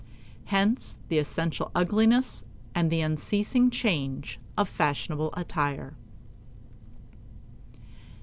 Hence the essential ugliness and the unceasing change of fashionable attire.